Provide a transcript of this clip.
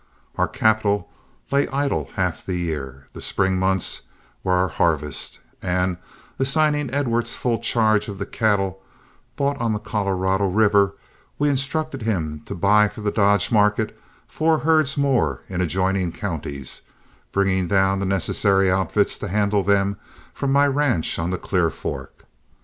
Our capital lay idle half the year, the spring months were our harvest, and, assigning Edwards full charge of the cattle bought on the Colorado River, we instructed him to buy for the Dodge market four herds more in adjoining counties, bringing down the necessary outfits to handle them from my ranch on the Clear Fork.